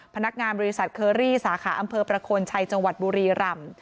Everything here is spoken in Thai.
พนักงานบริษัทเคอรี่สาขาอำเภอประโคนชัยจังหวัดบุรีรำ